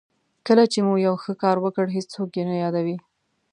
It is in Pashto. کله چې مو یو ښه کار وکړ هېڅوک یې نه یادوي.